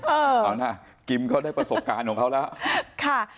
เอานะกิมเขาได้ประสบการณ์ของเขาแล้วค่ะ